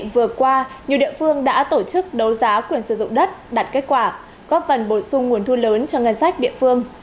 vừa qua nhiều địa phương đã tổ chức đấu giá quyền sử dụng đất đạt kết quả góp phần bổ sung nguồn thu lớn cho ngân sách địa phương